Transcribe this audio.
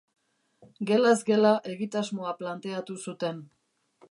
Gelaz gela egitasmoa planteatu zuten.